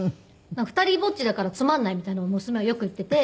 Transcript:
２人ぼっちだからつまんないみたいなのを娘がよく言っていて。